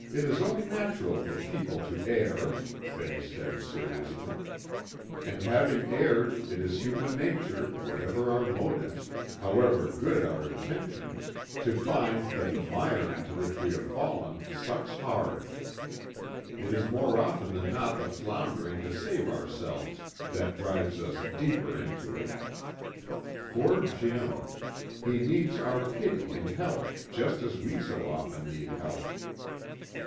"It is only natural for people to err," Betty said seriously. "And having erred it is human nature, whatever our motives, however good our intentions, to find that the mire into which we have fallen sucks hard. It is more often than not the floundering to save ourselves that drives us deeper into it. Poor Jim. He needs our pity and help, just as we so often need help."